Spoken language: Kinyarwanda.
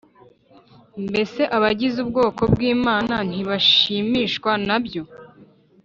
Mbese abagize ubwoko bw’Imana ntibashimishwa nabyo?